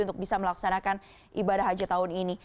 untuk bisa melaksanakan ibadah haji tahun ini